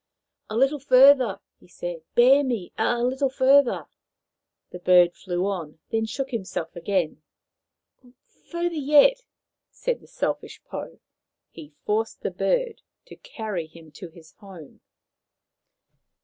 " A little fur ther !" he said. " Bear me a little further !" The bird flew on, then shook himself again. " Further yet," said the selfish Pou. He forced the bird to carry him to his home.